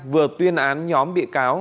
vừa tuyên án nhóm bị cáo